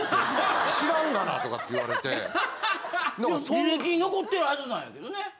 履歴に残ってるはずなんやけどね。